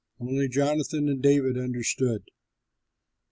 Only Jonathan and David understood.